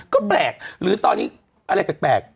ก็แปลกหรือตอนนี้อะไรแปลก